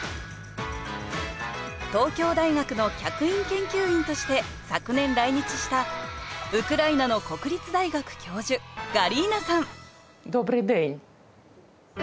東京大学の客員研究員として昨年来日したウクライナの国立大学教授ガリーナさん